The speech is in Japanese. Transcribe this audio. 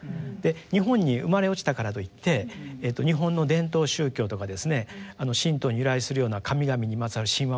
日本に生まれ落ちたからといって日本の伝統宗教とかですね神道に由来するような神々にまつわる神話をね